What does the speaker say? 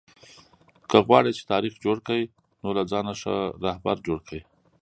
که غواړى، چي تاریخ جوړ کئ؛ نو له ځانه ښه راهبر جوړ کئ!